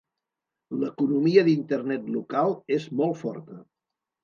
L'economia d'Internet local és molt forta.